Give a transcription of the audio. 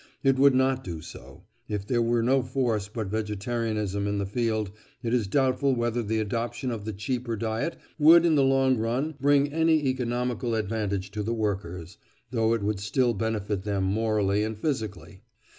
It would not do so; and if there were no force but vegetarianism in the field it is doubtful whether the adoption of the cheaper diet would in the long run bring any economical advantage to the workers, though it would still benefit them morally and physically.